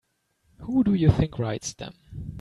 Who do you think writes them?